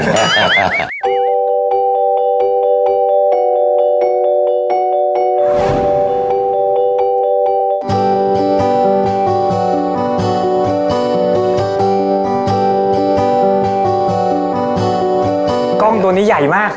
กล้องตัวนี้ใหญ่มาก